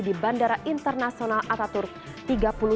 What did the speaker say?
di bandara internasional ataturk